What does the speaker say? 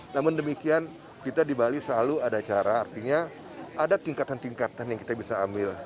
namun demikian kita di bali selalu ada cara artinya ada tingkatan tingkatan yang kita bisa ambil